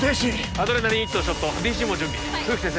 アドレナリン１筒ショットＤＣも準備冬木先生